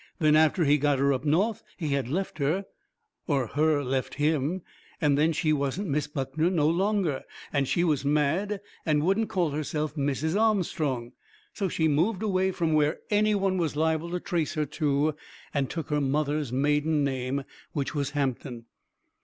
Then after he got her up North he had left her or her left him. And then she wasn't Miss Buckner no longer. And she was mad and wouldn't call herself Mrs. Armstrong. So she moved away from where any one was lible to trace her to, and took her mother's maiden name, which was Hampton.